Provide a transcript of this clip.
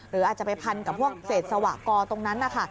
หรืออาจจะไปพันกับพวกเศษสวะกอตรงนั้นนะคะ